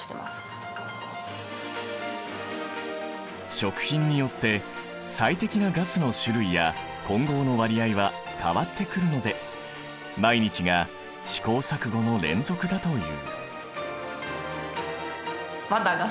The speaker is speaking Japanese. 食品によって最適なガスの種類や混合の割合は変わってくるので毎日が試行錯誤の連続だという。